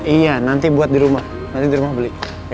iya nanti buat di rumah nanti di rumah beli